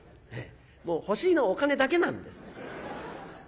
欲しいのはお金だけなんです。